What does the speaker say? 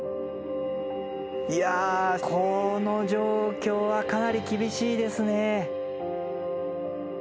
いやこの状況はかなり厳しいですね。